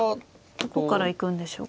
どこから行くんでしょうか。